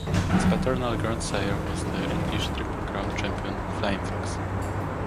His paternal grandsire was the English Triple Crown champion, Flying Fox.